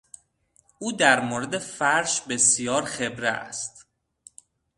او در مورد فرش بسیار خبره است.